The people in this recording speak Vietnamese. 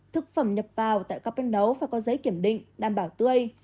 thực phẩm nhập vào tại các bên đấu phải có giấy kiểm định đảm bảo tươi